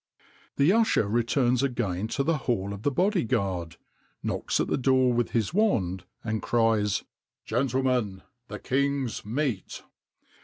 The usher returns again to the hall of the body guard, knocks at the door with his wand, and cries: "Gentlemen, the king's meat!"